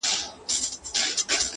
د دوزخي حُسن چيرمني جنتي دي کړم ـ